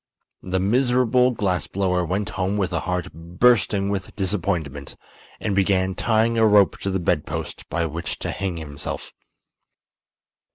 The miserable glass blower went home with a heart bursting with disappointment and began tying a rope to the bedpost by which to hang himself.